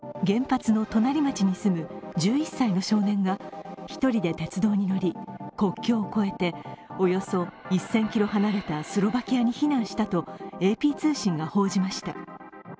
原発の隣町に住む１１歳の少年が１人で鉄道に乗り、国境を越えておよそ１０００ｋｍ離れたスロバキアに避難したとＡＰ通信が報じました。